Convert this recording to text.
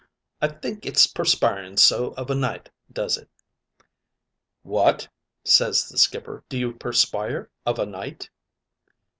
I think it's perspiring so of a night does it.' "'What?' ses the skipper. 'Do you perspire of a night?'